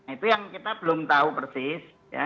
itu yang kita belum tahu persis